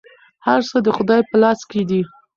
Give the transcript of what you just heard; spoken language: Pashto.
هر څه د خدای په لاس کې دي.